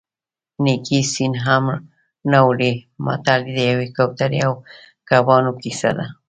نیکي سین هم نه وړي متل د یوې کوترې او کبانو کیسه ده